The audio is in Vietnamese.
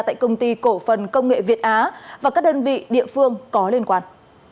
tại công ty cổ phần công nghệ việt á và các đơn vị địa phương có liên quan